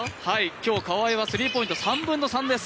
今日、川井はスリーポイント３分の３です。